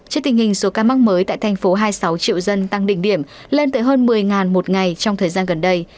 trước tình hình số ca mắc mới tại thành phố hai mươi sáu triệu dân tăng đỉnh điểm lên tới hơn một mươi một ngày trong thời gian gần đây